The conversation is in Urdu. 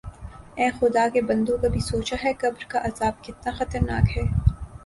اے خدا کے بندوں کبھی سوچا ہے قبر کا عذاب کتنا خطرناک ہے